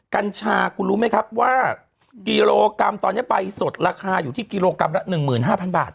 กัญชาคุณรู้ไหมครับว่ากิโลกรัมตอนนี้ใบสดราคาอยู่ที่กิโลกรัมละ๑๕๐๐บาท